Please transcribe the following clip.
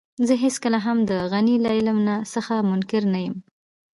زه هېڅکله هم د غني له علم څخه منکر نه يم.